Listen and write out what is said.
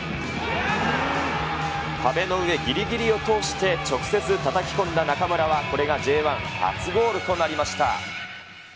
壁の上ぎりぎりを通して直接たたき込んだ中村はこれがＪ１初ゴールとなりました。